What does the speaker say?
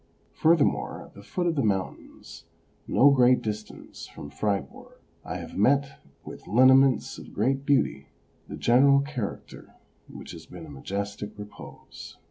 Furthermore, at the foot of the mountains, no great distance from Fribourg, I have met with lineaments of great beauty, the general character of which has been a majestic repose.